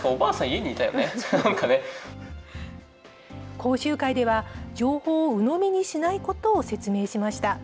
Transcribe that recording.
講習会では、情報をうのみにしないことを説明しました。